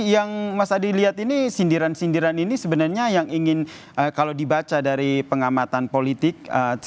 yang mas adi lihat ini sindiran sindiran ini sebenarnya yang ingin kalau dibaca dari pengamatan politik